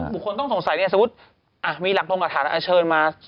บุญทันที่ต้องสงสัยเนี่ยมีลักษณะจากฐานภาคชนประธานอันเชิญมา